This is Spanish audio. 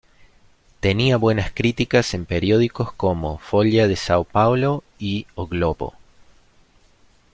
Tenía buenas críticas en periódicos como "Folha de São Paulo" y "O Globo".